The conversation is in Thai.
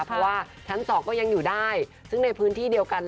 เพราะว่าชั้น๒ก็ยังอยู่ได้ซึ่งในพื้นที่เดียวกัน